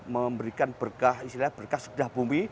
memberikan berkah istilahnya berkah segala bumi